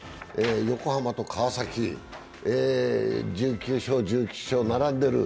横浜と川崎、１９勝、１９勝と並んでいる。